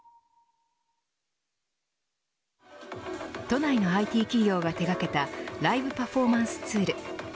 都内のＩＴ企業が手がけたライブパフォーマンスツール。